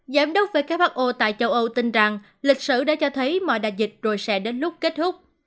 giám đốc who tại châu âu tin rằng lịch sử đã cho thấy mọi đại dịch rồi sẽ đến lúc kết thúc